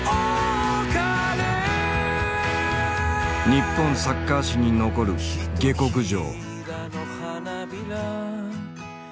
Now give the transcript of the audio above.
日本サッカー史に残る下克上。